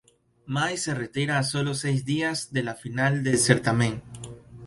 Mai se retira a solo seis días de la final del certamen.